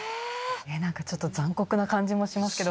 何かちょっと残酷な感じもしますけど。